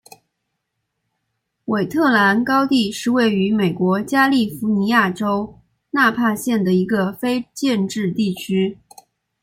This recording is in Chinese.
韦特兰高地是位于美国加利福尼亚州纳帕县的一个非建制地区。